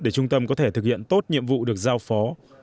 để trung tâm có thể thực hiện tốt nhiệm vụ được giao phó